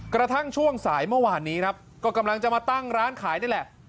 กระทั่งช่วงสายเมื่อวานนี้ครับก็กำลังจะมาตั้งร้านขายนี่แหละ